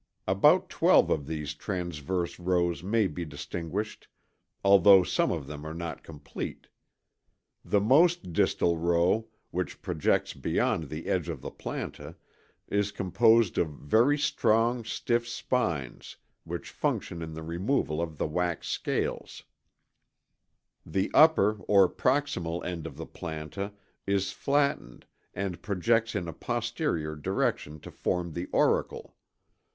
About 12 of these transverse rows may be distinguished, although some of them are not complete. The most distal row, which projects beyond the edge of the planta, is composed of very strong, stiff spines which function in the removal of the wax scales (Casteel, 1912). The upper or proximal end of the planta is flattened and projects in a posterior direction to form the auricle.